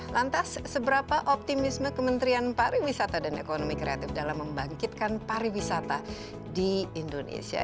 lantas seberapa optimisme kementerian pariwisata dan ekonomi kreatif dalam membangkitkan pariwisata di indonesia